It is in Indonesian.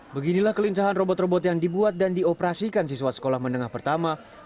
beginilah kelincahan robot robot yang dibuat dan dioperasikan siswa sekolah menengah pertama